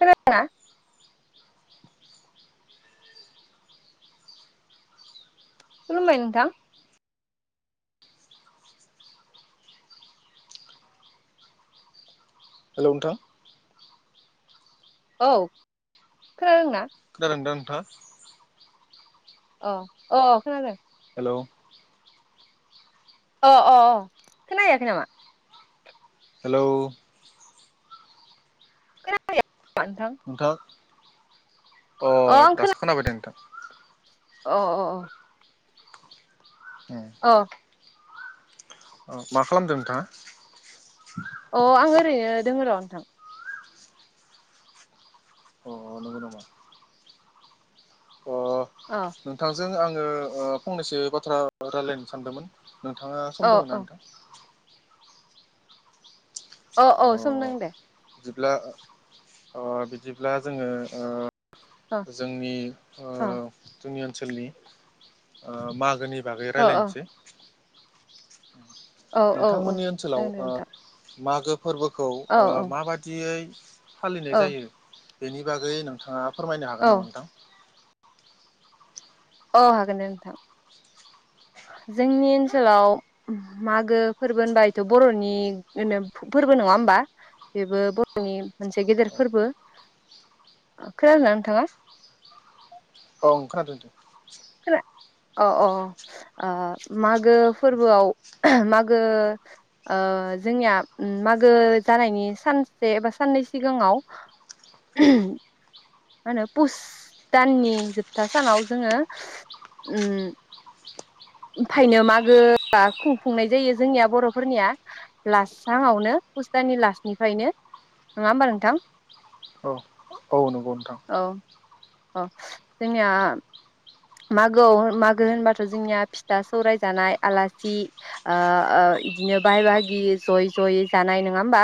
खोनादोंना? खुलुमबाय नोंथां हेलौ नोंथां। औ खोनादोंना? खोनादोंदा नोंथांङा? अ अ खोनादों। हेलौ। अ अ अ खोनायाखै नामा? हेलौ [unintelligible] नोंथां। अ आं खोना दासो खोनाबाय दे नोंथां अ अ अ। ए। अ अह मा खालामदों नोंथाङा अ आं ओरैनो दोङोर नोंथां। अ नंगौ नामा? अ अ नोंथांजों आङो ओ फंनैसो बाथ्रा रायलायनो सानदोंमोन नोंथाङा औ सम औ दोङोना नोंथां औ अ औ सम दं दे बिदिब्ला ओ बिदिब्ला जोङो ओ अ जोंनि ओ अ जोंनि ओन ओनसोलनि ओ मागोनि बागै औ रायलायनोसै। औ औ औ नोंथांमोननि ओनसोलाव जागोन दे ओ नोंथां मागो फोरबोखौ औ ओ औ माबादियै फालिनाय औ जायो बेनि बागै नोंथाङा फोरमायनो औ हागोन नामा नोंथां अ हागोन दे नोंथां जोंनि ओनसोलाव मागो फोरबो होनबा इथ' बर'नि नो फोरबो नङा होमबा बेबो बर'नि मोनसे गेदेर फोरबो खोनादों ना नोंथाङा? औ खोनादों दे खोना अ अ ओ मागो फोरबोआव मागो ओ जोंनिया ओम मागो जानायनि सानसे एबा साननै सिगाङाव मा होनो पुस दाननि जोबथा सानाव जोङो उम ओमफायनो मागोआ खुंफुंनाय जायो जोंनिया बरफोरनिया लास सानावनो पुस दाननि लासनिफ्रायनो नङा होमबा नोंथां? अ नंगौ नोंथां अ जोंनिया मागोआव मागो होनबाथ' जोंनिया फिथा सौराय जानाय आलासि ओ ओ इदिनो बाहाय बाहागि जयै जयै जानाय नङा होमबा?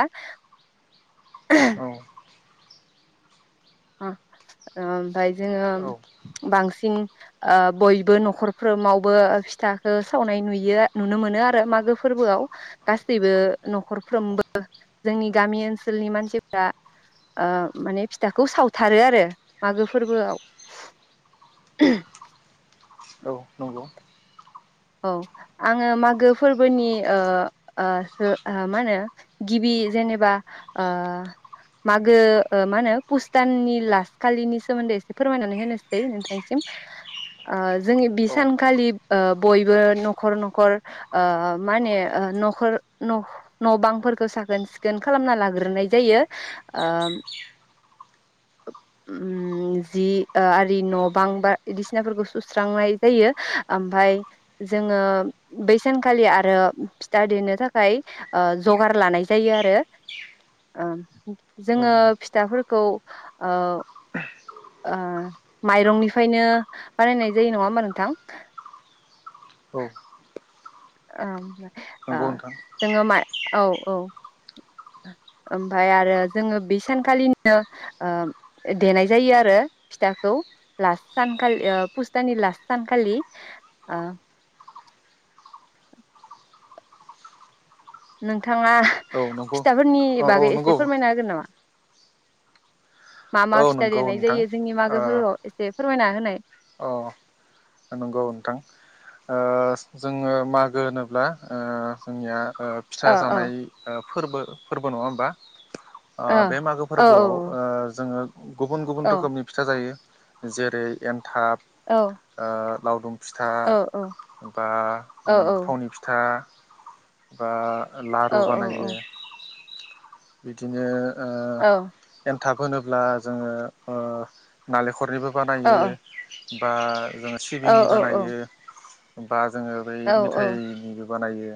उम ओमफाय जोङो औ बांसिन ओ बयबो नखरफ्रोमावबो फिथाखौ सावनाय नुयो नुनो मोनो आरो मागो फोरबोआव गासैबो नखरफ्रोमबो जोंनि गामि ओनसोलनि मानसिफोरा ओ माने फिथा खौ सावथारो आरो मागो फोरबोआव औ नंगौ औ आङो मागो फोरबोनि ओ ओ मा होनो गिबि जेनेबा ओ मागो ओ मा होनो पुस दाननि लास खालिनि सोमोन्दै एसे फोरमायनानै होनोसै नोंथांसिम ओ जोंनि बि औ सानखालि ओ बयबो नखर नखर ओ मा होनो ओ नखर न नबांफोरखौ साखोन सिखोन खालामना लाग्रोनाय जायो ओ ओम जि ओ आरि न' बां बायदिसिनाफोरखौ सुस्रांनाय जायो आमफाय जोङो बै सानखालि आरो फिथा देनो थाखाय ओ जगार लानाय जायो आरो ओ जोङो औ फिथाफोर औ ओ ओ माइरंनिफ्रायनो बानायनाय जायो नङा होमबा नोंथां औ। ओह ओ नंगौ नोंथां जोङो मा औ औ ओमफाय आरो जोङो बे सानखालिनो ओ देनाय जायो आरो फिथाखौ लास सानखालि पुस्तानि लास्ट सानखालि ओ नों थाङा औ नंगौ फिथाफोरनि औ औ बागै नंगौ एसे फोरमायना होगोन नामा? मा मा औ फिथाइ नंगौ देनाय नोंथां जायो जोंनि मागो फोर्बोआव एसे फोरमायना होनाय ओ नंगौ नोंथां ओ जोङो मागो होनोब्ला ओ जोंनिया ओ फिथा जानाय ओ फोर्बो फोर्बो नङा होमबा? ओ बे मागो फोरबोआव ओ जोङो गुबुन गुबुन औ रोखोमनि फिथा जायो। जेरै एन्थाब औ ओ लावदुम फिथा बा औ थावनि फिथा बा औ लारु औ बानायो बिदिनो ओ औ एन थाखो होनोब्ला जोङो ओ नालेंखरनिबो औ बानायो। बाह जोङो औ सिबिंनि बानायो। बा जोङो बै औ मिथाइनिबो बानायो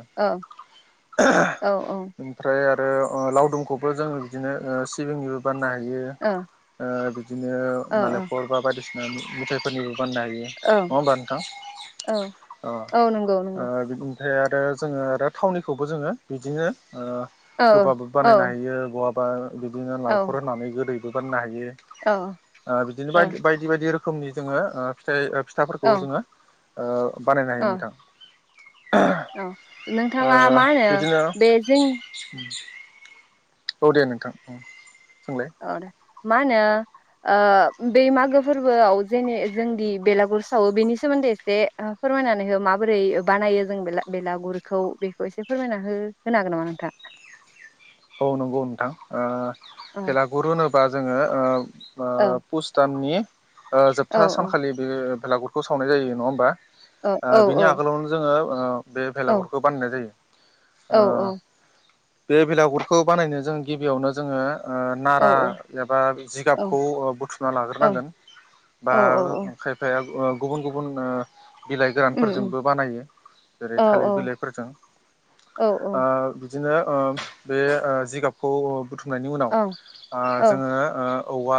ओमफ्राय आरो ओ लाव दुमखौबो जोङो बिदिनो ओ सिबिंनिबो बानायनो हायो। बियो ओ बि बिदिनो नालेंखल बा बायदिसि [unintelligible] मिथाइफोरनि बाननो हायो नङा औ होमबा नोंथां? औ औ ओ औ नंगौ ओ नंगौ बि नाथाय आरो जोङो आरो थावनिखौबो जोङो बिदिनो ओ औ गोबाबो औ बानायनो हायो। बहाबा बिदिनो औ नालेखर होनानै गोदै [unintelligible] हायो औ ओ बिदिनो औ बाय बायदि बायदि रोखोमनि जोङो फिथाइ फिथाफोरखौ औ जोङो ओ बानायनो औ हायो नोंथां। औ ओ नोंथाङा मा होनो बिदिनो बे जों औ दे नोंथां उम। [unintelligible] मा होनो ओ बै मागो फोरबोआव जेन जोंदि बेलागुर सावो बेनि सोमोन्दै एसे ओ फोरमायनानै हो माबोरै बानायो जों बे बेलागुरखौ बेखौ एसे फोरमायना हो होनो हागोन नामा नोंथां? औ नंगौ नोंथां ओ औ फेलागुरु होनो बा जोङो ओ आ औ पुस दाननि ओ औ जोबथा औ सानखालि बेब लागुरखौ सावनाय जायो नङा होमबा। आ औ औ बिनि औ आगोलावनो जोङो। ओ बे औ भेलागुरखौ बानायनाय जायो औ ओ औ बे बेलागुर खौ बानायनो जों गिबियावनो जोङो ओ नारा औ एबा जिगाबखौ बुथुमना लाग्रोनांगोन बा औ औ ओ खायफाया ओ गुबुन गुबुन ओ बिलाइ उम उम गोरानफोरजोंबो बानायो जेरै औ थालिर बिलाइफोरजों औ ओ बिदिनो ओ बे ओ जिगाबखौ बुथु नायनि उनाव औ ओ जोङो औ ओ औवा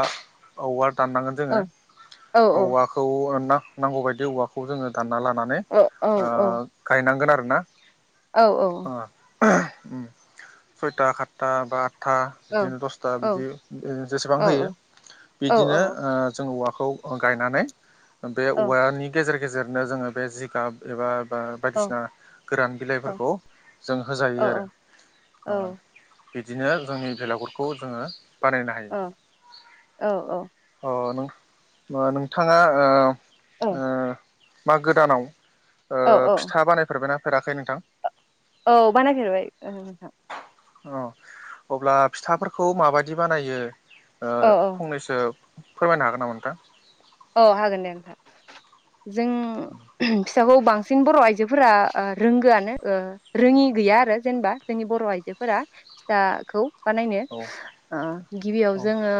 औवा दाननांगोन जोङो औ औ औवाखौ ओ ना नांगौबायदि औवाखौ जोङो दान लानानै औ औ औ गायनांगोन आरो। ना औ औ उम सयथा साता बा। आतथा औ बिदिनो दसथा औ बिदि जेसेबां औ होयो औ बिदिनो जों ओ औवा खौ गायनानै बे औ औवानि गेजेर गेजेरनो जोङो बे जिगाब एबा ओ बा बायदिसिना गोरान बिलाइफोरखौ जों औ होजायो आरो। आरो बिदिनो जोंनि भेलागुरखौ जोङो। बानायनो हायो अ नों। ओ नोंथाङा ओ ओ औ बा गोदानाव औ औ फिथा बानायफेरबायना? फेराखै नोंथां औ बानायफेरबाय नोंथां। औ अब्ला फिथाफोरखौ माबायदि बानायो? ओ औ औ फंनैसो फोरमायनो हागोन नामा नोंथां औ हागोन दे जों फिथाखौ बांसिन बर' आइजोफोरा ओ रोंगोआनो ओ रोङि गैया आरो जेनेबा जोंनि बर' आइजोफोरा फिथाखौ बानायनो औ ओ गिबियाव औ जोङो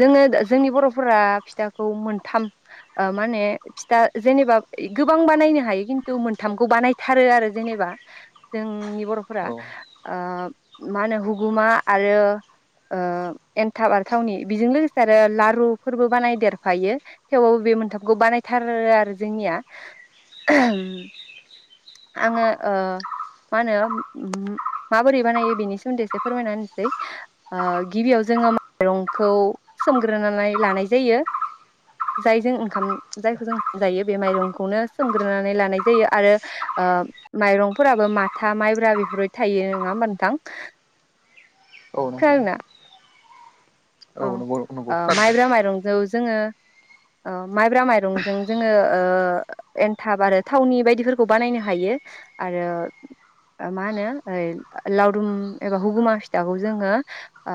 जोङो। जोंनि बर'फोरा फिथाखौ मोनथाम माने फिथा जेनेबा गोबां बानायनो हायो खिन्थु मोनथामखौ बानायथारो आरो जेनेबा जोंनि बर'फोरा औ ओ मा होनो हुगुमा आरो एन्थाब आरो थावनि बेजों लोगोसे आरो आरो लारुफोरबो बानाय देरफायो थेवबाबो बे मोनथामखौ बानायथारो आरो जोंनिया आङो मा होनो माबोरै बानायो बेनि सोमोन्दै एसे फोरमायना होनोसै गिबियाव जोङो माइरंखौ सोमग्रोनानै लानाय जायो जायजों ओंखाम जायखौ जों जायो बे माइरंखौनो सोमग्रोनानै लानाय जायो आरो ओ माइरंफोराबो माथा माइब्रा बेफोरबायदि थायो नोङा ओमबा नोंथां? औ नंगौ। खोनादोंना औ नंगौ नंगौ। जों जौ जोङो ओ माइब्रा माइरंजों जोङो ओ एनथाब आरो थावनि बायदिफोरखौ बानायनो हायो आरो मा नो लावदुम एबा हुगुमा फिथाखौ जोङो ओ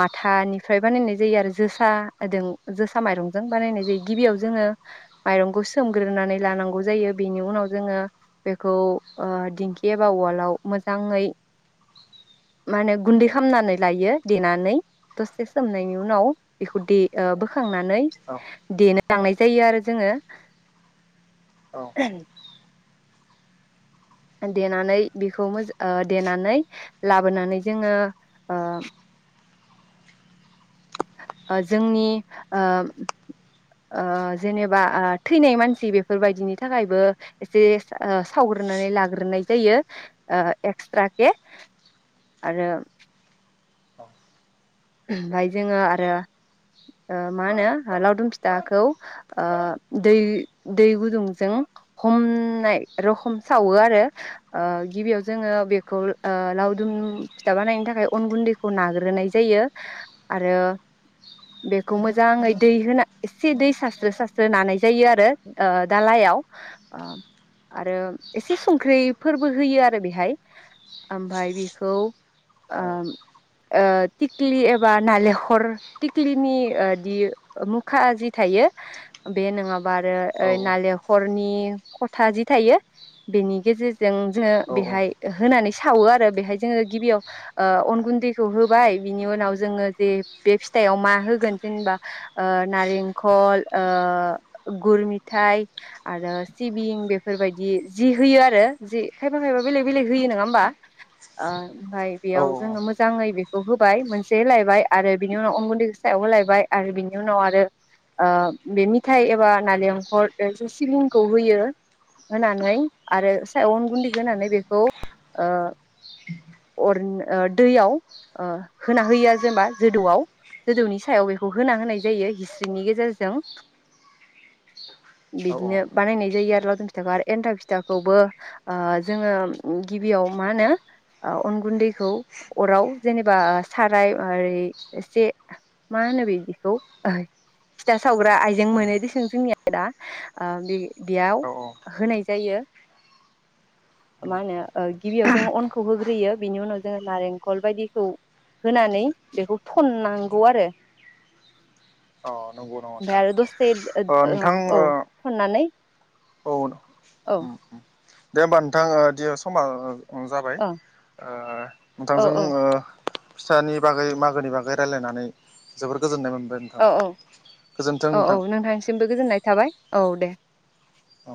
माथानि फ्राय बानायनाय जायो आरो जोसादों जोसा माइरंजों बानायनाय जायो गिबियाव जोङो माइरंखौ सोमग्रोनानै लानांगौ जायो बेनि उनाव जोङो बेखौ ओ दिंखि एबा उवालाव मोजाङै माने गुन्दै खामनानै लायो देनानै दस- सोमनायनि उनाव बेखौ दे ओ बोखांना नै औ देन लांनाय जायो आरो जोङो औ देनानै बेखौ मोज अ देनानै लाबोनानै जोङो ओ अ जोंनि अ अ जेनेबा अ थैनाय मानसि बेफोरबायदिनि थाखायबो एसे सा-सावग्रोनानै लाग्रोनाय जायो अ एक्सट्राके आरो औ [inaudible] ओमफाय जोङो आरो अ मा नो लावदुम फिथाखौ अ दै- दै गुदुंजों हमनाय रखम सावो आरो अ गिबियाव जोङो बेखौ अ लावदुम फिथा बानायनो थाखाय अन गुन्दैखौ नाग्रोनाय जायो। आरो बेखौ मोजाङै दै होना एसे दै सास्रो सास्रो नानाय जायो आरो ओ दालायाव आरो एसे संख्रि फोरबो होयो आरो बेहाय ओमफाय बेखौ औ ओम आद टिक्लि एबा नालेखर टिक्लिनि अ दि मुखा जि थायो बे नङा बा आरो नालेखरनि खथा जि थायो बेनि गेजेर- जों जोङो औ बेहाय होनानै सावो आरो बेहाय जोङो गिबियाव ओ अन गुन्दैखौ होबाय। बिनि उनाव जोङो जे बे फिथाइआव मा होगोन जेनेबा ओ नारेंखल ओ गुर मिथाइ आरो सिबिं बेफोरबायदि जि होयो आरो जि खायफा खायबा बेलेग बेलेक होयो नङा होमबा ओ ओमफ्राय औ बेयाव जोङो मोजाङै बे [unintelligible] होबाय मोनसे होलायबाय आरो बिनि उनाव अन गुन्दै सायाव होलायबाय आरो बिनि उनाव आरो ओ बे मिथाय एबा नालेंखल सिबिंखौ होयो होनानै आरो सायाव अन गुन्दै होनानै बेखौ ओ अर दैयाव ओ होना होयो जेनेबा जोदौआव जोदौनि सायाव बेखौ होना होनाय जायो हिस्रिनि गेजेरजों औ बिदिनो बानायनाय जायो डराडुन फिथाखौ एन्थाब फिथाखौबो अ जोङो गिबियाव मा होनो अन गुन्दैखौ अराव जेनेबा साराय ओरै एसे मा होनो बिदिखौ फिथा सावग्रा आइजें मोनोदिसों जोंनिया दा अओ बे बेयाव औ होनाय जायो मा होनो अ गिबियाव जों अनखौ होग्रोयो बिनि उनाव जोङो नारेंखल बायदिखौ होनानै बेखौ थननांगौ आरो औ नंगौ नंगौ ओमफ्राय नोंथां आरो दसे औ नोंथां औ थननानै औ औ। दे होमबा नोंथां दिनै समा ओ अ जाबाय औ ओ औ नोंथांजों ओ फिथानि बागै मागोनि बागै रायलायनानै जोबोर गोजोननाय मोन औ औ औ औ नोंथांनिसिमबो गोजोननाय थाबाय औ दे। औ